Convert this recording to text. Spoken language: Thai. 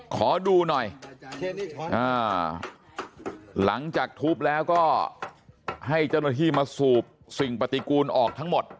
ขอดูหน่อยหลังจากทุบแล้วก็ให้เจ้าหน้าที่มาสูบสิ่งปฏิกูลออกทั้งหมด